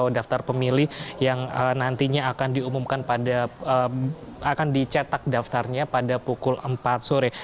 daftar pemilih yang nantinya akan dicetak daftarnya pada pukul empat sore